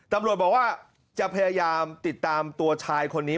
ตำรวจบอกว่าจะพยายามติดตามตัวชายคนนี้